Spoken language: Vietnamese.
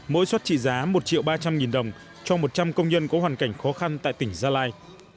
mỗi suất trị giá một triệu ba trăm linh đồng cho một trăm linh công nhân có hoàn cảnh khó khăn tại tỉnh gia lai